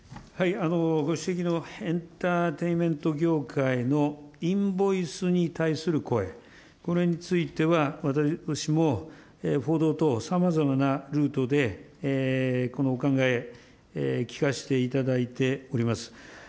ご指摘のエンターテイメント業界のインボイスに対する声、これについては、私も報道等、さまざまなルートで、このお考え、聞かしていただいております。